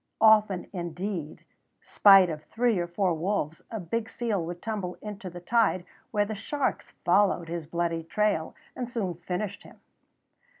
Often indeed, spite of three or four wolves, a big seal would tumble into the tide, where the sharks followed his bloody trail and soon finished him.